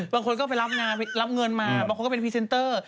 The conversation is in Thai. บางคนก็ไปรับงานรับเงินมาบางคนก็เป็นพรีเซนเตอร์